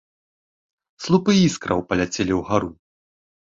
Слупы іскраў паляцелі ўгару.